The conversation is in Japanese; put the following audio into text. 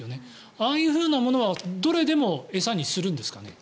ああいうものはどれでも餌にするんですかね。